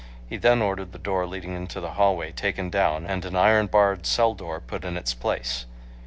He then ordered the door leading into the hallway taken down and an iron barred cell door put in its place.